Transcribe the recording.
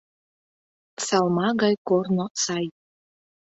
Салма гай корно сай.